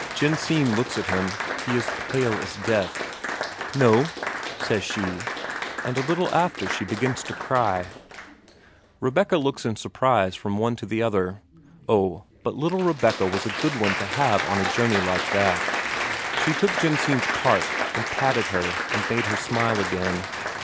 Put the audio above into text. Jensine looks at him; he is pale as death. "No," says she. And a little after she begins to cry. Rebecca looks in surprise from one to the other. Oh, but little Rebecca was a good one to have on a journey like that; she took Jensine's part and patted her and made her smile again.